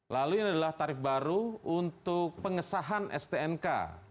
lalu ini adalah tarif baru untuk pengesahan stnk